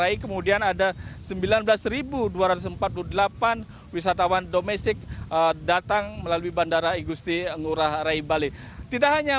baik kemudian ada sembilan belas dua ratus empat puluh delapan wisatawan domestik datang melalui bandara igusti ngurah rai bali tidak hanya